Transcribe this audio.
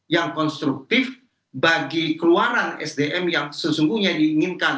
yang konstruktif bagi keluaran sdm yang sesungguhnya diinginkan